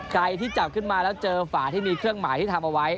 ใครที่จับขึ้นมาแล้วเจอฝาที่มีเครื่องหมายที่ทำเอาไว้